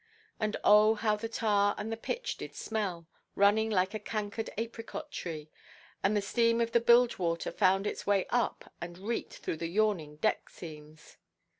And oh, how the tar and the pitch did smell, running like a cankered apricot–tree, and the steam of the bilge–water found its way up, and reeked through the yawning deck–seams!